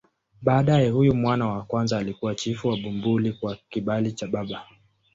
Baadaye huyu mwana wa kwanza alikuwa chifu wa Bumbuli kwa kibali cha baba.